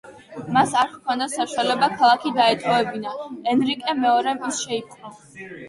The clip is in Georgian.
მას არ ჰქონდა საშუალება ქალაქი დაეტოვებინა, ენრიკე მეორემ ის შეიპყრო.